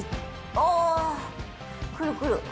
あー、くるくる。